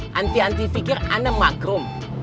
hanti hanti pikir anda maghrum